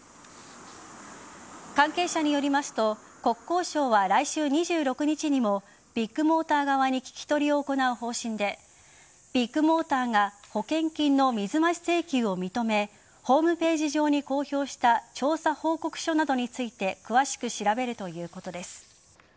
関係者によりますと国交省は来週２６日にもビッグモーター側に聞き取りを行う方針でビッグモーターが保険金の水増し請求を認めホームページ上に公表した調査報告書などについて詳しく調べるということです。